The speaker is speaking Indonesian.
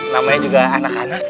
namanya juga anak anak